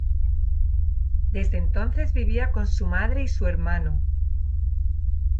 Desde entonces, vivía con su madre y su hermano.